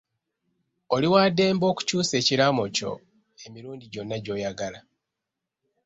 Oli waddembe okukyusa ekiraamo kyo emirundi gyonna gy'oyagala.